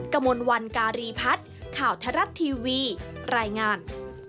กระมวลวันการีพัฒน์ข่าวไทยรัฐทีวีรายงาน